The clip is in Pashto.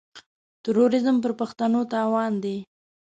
تروريزم پر پښتنو تاوان دی.